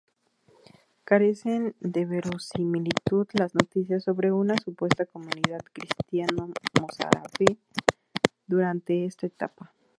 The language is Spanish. Carecen de verosimilitud las noticias sobre una supuesta comunidad cristiano-mozárabe durante esta etapa.